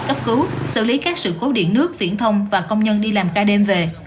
cấp cứu xử lý các sự cố điện nước viễn thông và công nhân đi làm ca đêm về